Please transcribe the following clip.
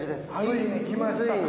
ついにきましたか。